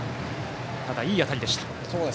ただ、いい当たりでした。